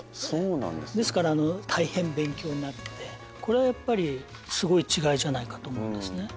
ですから大変勉強になるのでこれはやっぱりすごい違いじゃないかと思うんですね。